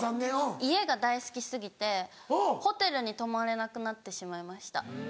家が大好き過ぎてホテルに泊まれなくなってしまいました。